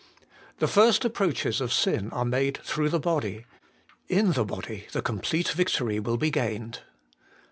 The first approaches of sin are made through the body: in the body the complete victory will be gained.